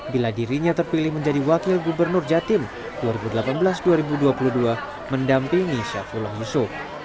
bila dirinya terpilih menjadi wakil gubernur jatim dua ribu delapan belas dua ribu dua puluh dua mendampingi syafullah yusuf